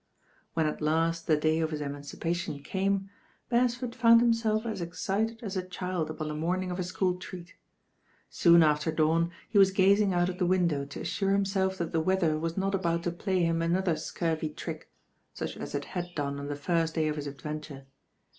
When at last the day of his emancipation came, Beresford found himself as excited as a child upon the morning of a school treat. Soon after dawn he was gazing out of the window to assure himself that the weather was not about to play him another •curvy trick, such as it had done on the first day of his adventure.